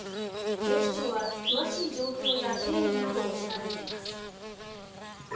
警視庁は詳しい状況や経緯などを調べています。